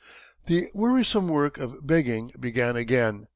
The wearisome work of begging began again.